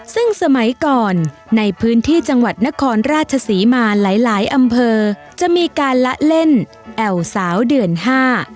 ซึ่งสมัยก่อนในพื้นที่จังหวัดนครราชศรีมาหลายหลายอำเภอจะมีการละเล่นแอวสาวเดือนห้า